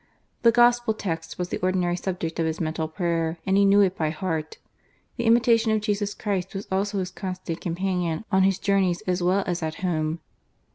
The Gospel Text was the ordinarj' subject of his mental prayer, and he knew it by heart. The Imitation of Jesus Christ was also his constant companion on his journeys as well as at home.